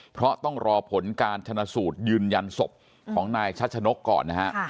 เพราะต้องรอผลการชนะสูตรยืนยันศพของนายชัชนกก่อนนะฮะ